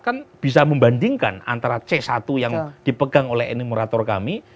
kan bisa membandingkan antara c satu yang dipegang oleh ini morator kami